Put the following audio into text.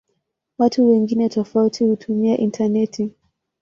Watu wengi tofauti hutumia intaneti.